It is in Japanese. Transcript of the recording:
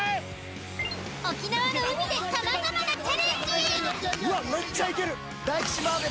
［沖縄の海で様々なチャレンジ］